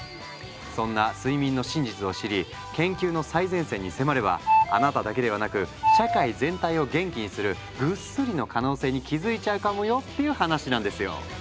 そんな睡眠の真実を知り研究の最前線に迫ればあなただけではなく社会全体を元気にするグッスリの可能性に気付いちゃうかもよっていう話なんですよ。